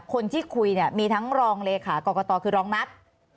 คนที่คุยเนี่ยมีทั้งรองเลขากรกตคือรองนัท